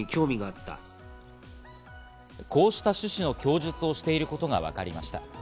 こうした趣旨の供述をしていることがわかりました。